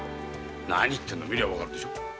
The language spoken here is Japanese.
何言ってんだ見りゃ分かるでしょう。